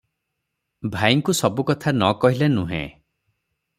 ଭାଇଙ୍କୁ ସବୁ କଥା ନ କହିଲେ ନୁହେ ।